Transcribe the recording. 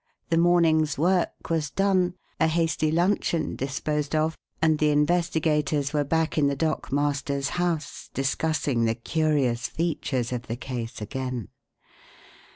The morning's work was done, a hasty luncheon disposed of, and the investigators were back in the dockmaster's house discussing the curious features of the case again.